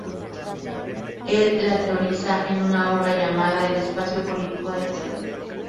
Él la teoriza en una obra llamada "El Espacio político de la salud.